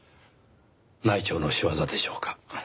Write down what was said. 内調の仕業でしょうか。